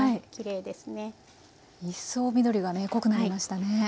いっそう緑がね濃くなりましたね。